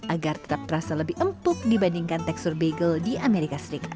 agar tetap terasa lebih empuk dibandingkan tekstur bagel di amerika serikat